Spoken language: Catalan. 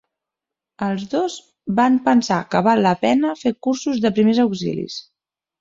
Els dos van pensar que val la pena fer cursos de primers auxilis.